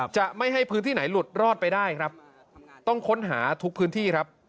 จะไม่ให้พื้นที่ไหนหลุดรอดไปได้ครับต้องค้นหาทุกพื้นที่ครับ